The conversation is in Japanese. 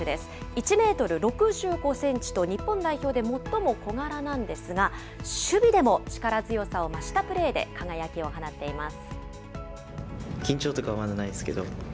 １メートル６５センチと日本代表で最も小柄なんですが、守備でも力強さを増したプレーで輝きを放っています。